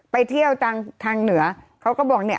ไปเที่ยวทางเหนือเขาก็บอกเนี่ย